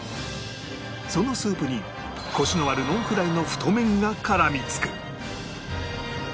そのスープにコシのあるノンフライの太麺が絡みつく